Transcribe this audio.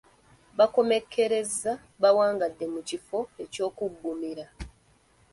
Baakomekkereza bawangadde mu kifo ky’okuggumira.